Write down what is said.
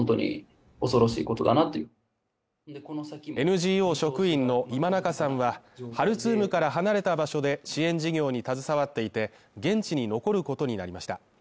ＮＧＯ職員の今中さんはハルツームから離れた場所で支援事業に携わっていて現地に残ることになりました。